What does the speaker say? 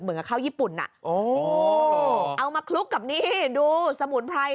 เหมือนกับข้าวญี่ปุ่นน่ะโอ้โหเอามาคลุกกับนี่ดูสมุนไพร